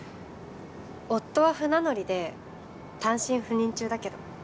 夫は船乗りで単身赴任中だけど。